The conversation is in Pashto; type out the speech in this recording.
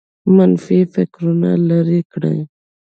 منفي فکرونه لرې کړئ